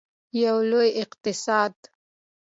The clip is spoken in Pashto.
یو لوی اقتصاد.